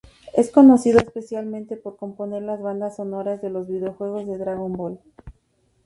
Es conocido especialmente por componer las bandas sonoras de los videojuegos de "Dragon Ball".